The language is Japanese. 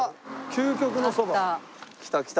「究極のそば」きたきた！